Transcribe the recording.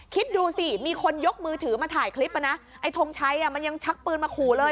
คิดดูสิมีคนยกมือถือมาถ่ายคลิปอ่ะนะไอ้ทงชัยอ่ะมันยังชักปืนมาขู่เลย